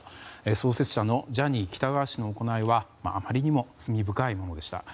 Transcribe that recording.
創設者のジャニー喜多川氏の行いはあまりにも罪深いものでした。